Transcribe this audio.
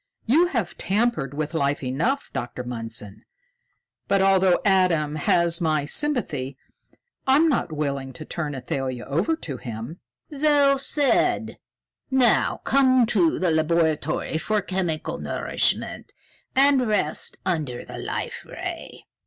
"You have tampered with life enough, Dr. Mundson. But, although Adam has my sympathy, I'm not willing to turn Athalia over to him." "Well said! Now come to the laboratory for chemical nourishment and rest under the Life Ray."